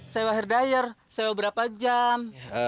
sewa hair dryer sewa berapa jam